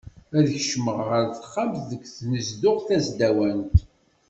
Ad kecmeɣ ɣer texxamt deg tnezduɣt tasdawant.